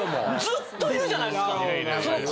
ずっといるじゃないですか。